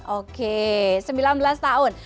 oke sembilan belas tahun